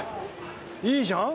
いいじゃん。